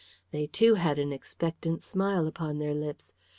They, too, had an expectant smile upon their lips.